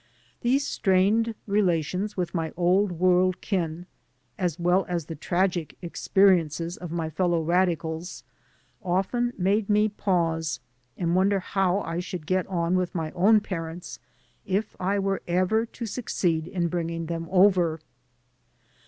These strained relations with my Old World kin, as well as the tragic experiences of my fellow radicals, often made me pause and wonder how I should get on with my own parents if I were ever to succeed in bringing them over.